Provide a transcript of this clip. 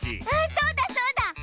あっそうだそうだ！